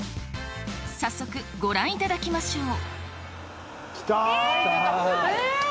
早速ご覧いただきましょう！来た！